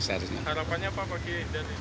harapannya apa pak pak jokowi dari dukungan